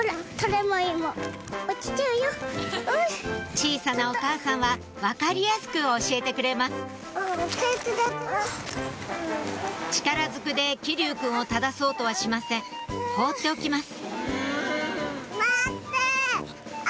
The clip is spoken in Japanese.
小さなお母さんは分かりやすく教えてくれます力づくで騎琉くんを正そうとはしません放っておきます